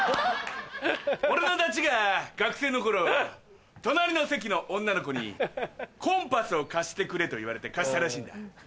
俺のダチが学生の頃隣の席の女の子にコンパスを貸してくれと言われて貸したらしいんだ。